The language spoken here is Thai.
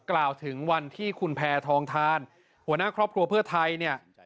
กล่าวถึงวันที่คุณแพทองทานหัวหน้าครอบครัวเพื่อไทยเนี่ย